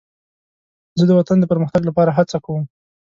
زه د وطن د پرمختګ لپاره هڅه کوم.